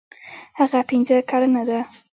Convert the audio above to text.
هغه پنځه کلنه ده.